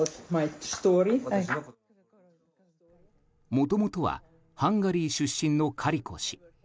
もともとはハンガリー出身のカリコ氏。